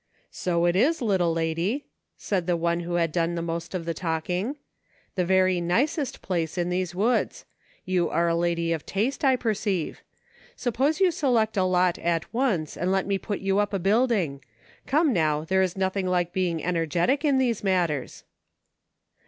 " So it is, little lady," said the one who had done the most of the talking. "The very nicest place in these woods ; you are a lady of taste, I perceive. Suppose you select a lot at once, and let me put you up a building ? Come, now, there is nothing like being energetic in these matters."